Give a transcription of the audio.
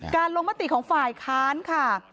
ลงมติของฝ่ายค้านค่ะ